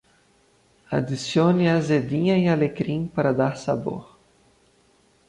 Adicione azedinha e alecrim para dar sabor